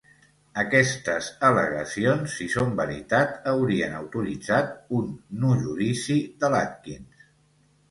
Aquestes al·legacions, si són veritat, haurien autoritzat un nu judici de l'Atkins.